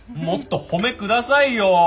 もっと「褒め」くださいよ。